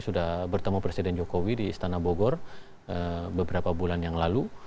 sudah bertemu presiden jokowi di istana bogor beberapa bulan yang lalu